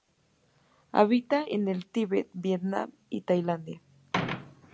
Habita en el Tibet, Vietnam y Tailandia.